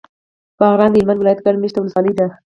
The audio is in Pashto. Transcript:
باغران د هلمند ولایت ګڼ مېشته ولسوالي ده.